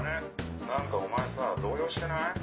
何かお前さ動揺してない？